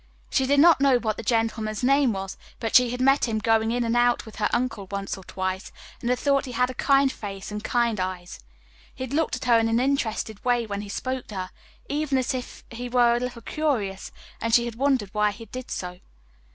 She did not know what the gentleman's name was, but she had met him going in and out with her uncle once or twice, and had thought he had a kind face and kind eyes. He had looked at her in an interested way when he spoke to her even as if he were a little curious, and she had wondered why he did so.